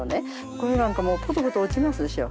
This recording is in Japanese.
これなんかもポトポト落ちますでしょ。